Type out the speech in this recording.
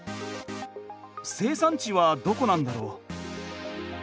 生産地はどこなんだろう。